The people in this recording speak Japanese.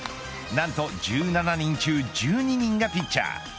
何と１７人中１２人がピッチャー。